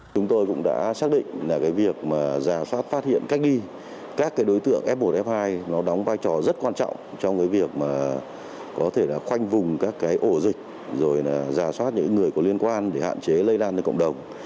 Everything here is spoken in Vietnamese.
chúng tôi cũng đã xác định là cái việc mà giả soát phát hiện cách ly các đối tượng f một f hai nó đóng vai trò rất quan trọng trong cái việc mà có thể là khoanh vùng các cái ổ dịch rồi là giả soát những người có liên quan để hạn chế lây lan ra cộng đồng